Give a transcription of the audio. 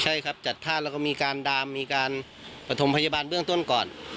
ใช่ครับจัดท่าแล้วก็มีการดามมีการประถมพยาบาลเบื้องต้นก่อน